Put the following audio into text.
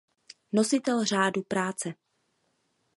Nositel Řádu práce.